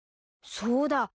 そうだ！